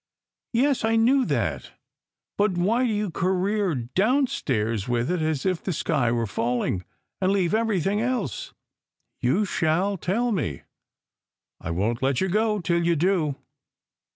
"Yes, I knew that; but why do you career downstairs with it as if the sky were falling, and leave everything else? You shall tell me! I won t let you go till you do."